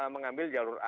mengambil jalur a